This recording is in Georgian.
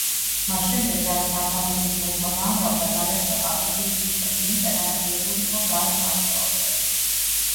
მას შემდეგ რაც თარგამოსის მოდგმა გამრავლდა, გადაწყდა კავკასიის წილხვედრი მიწა განაწილებულიყო რვა ძმას შორის.